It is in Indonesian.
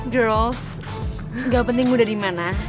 girls gak penting gue dari mana